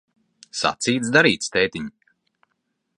Sacīts, darīts, tētiņ.